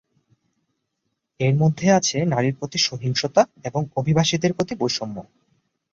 এর মধ্যে আছে নারীর প্রতি সহিংসতা এবং অভিবাসীদের প্রতি বৈষম্য।